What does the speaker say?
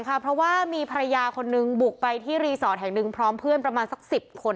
ค่ะเพราะว่ามีภรรยาคนนึงบุกไปที่แห่งนึงพร้อมเพื่อนประมาณสักสิบคน